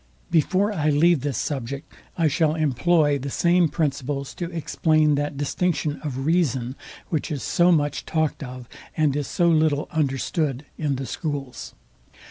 Before I leave this subject I shall employ the same principles to explain that distinction of reason, which is so much talked of, and is so little understood, in the schools.